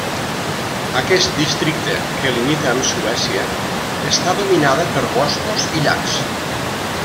Aquest districte, que limita amb Suècia, està dominada per boscos i llacs.